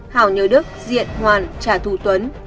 hảo nhớ đức diện hoàn trả thù tuấn